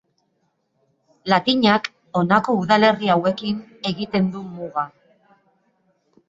Latinak honako udalerri hauekin egiten du muga.